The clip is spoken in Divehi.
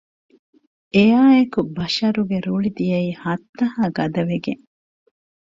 އެއާއެކު ބަޝަރުގެ ރުޅި ދިޔައީ ހައްތަހާ ގަދަވެގެން